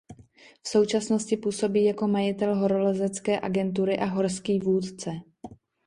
V současnosti působí jako majitel horolezecké agentury a horský vůdce.